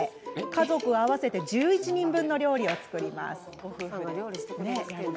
家族合わせて１１人分の料理を作ります。